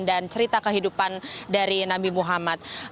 dan cerita kehidupan dari nabi muhammad